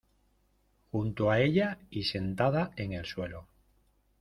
Junto a ella y sentada en el suelo.